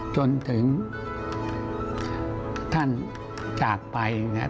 จนถึงท่านจากไปเนี่ย